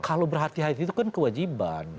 kalau berhati hati itu kan kewajiban